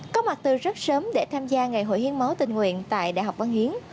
có mặt từ rất sớm để tham gia ngày hội hiến máu tình nguyện tại đại học văn hiến